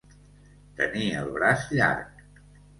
Tenir el braç llarg.